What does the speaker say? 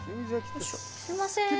すいませーん。